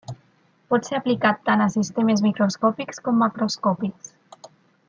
Pot ser aplicat tant a sistemes microscòpics com macroscòpics.